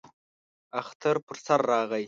اختر پر سر راغی.